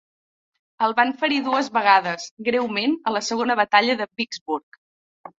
El van ferir dues vegades, greument a la segona batalla de Vicksburg.